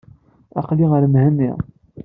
Aqli ar Mhenni.